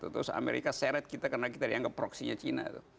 terus amerika seret kita karena kita dianggap proksinya cina